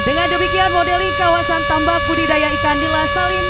dengan demikian modeli kawasan tambak budidaya ikan di lasalim